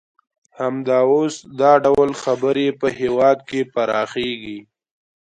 همدا اوس دا ډول خبرې په هېواد کې پراخیږي